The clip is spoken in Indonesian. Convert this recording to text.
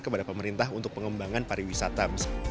kepada pemerintah untuk pengembangan pariwisata